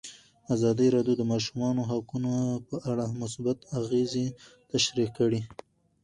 ازادي راډیو د د ماشومانو حقونه په اړه مثبت اغېزې تشریح کړي.